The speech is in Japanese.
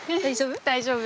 大丈夫？